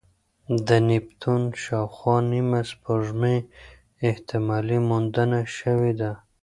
د نیپتون شاوخوا نیمه سپوږمۍ احتمالي موندنه شوې ده.